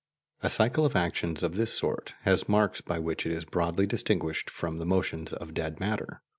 A cycle of actions of this sort has marks by which it is broadly distinguished from the motions of dead matter.